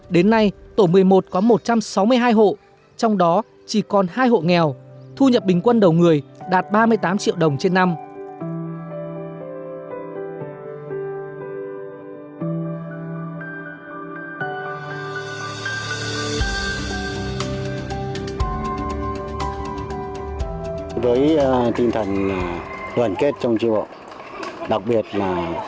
đến nay tổ một mươi một có một trăm sáu mươi hai hộ trong đó chỉ còn hai hộ nghèo thu nhập bình quân đầu người đạt ba mươi tám triệu đồng trên năm